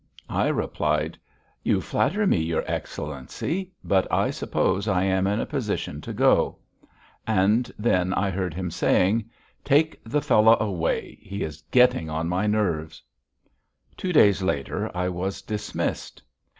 I replied: "You flatter me, your Excellency, but I suppose I am in a position to go." And then I heard him saying: "Take the fellow away, he is getting on my nerves." Two days later I was dismissed.